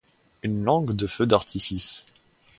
Une langue de feu d’artifice.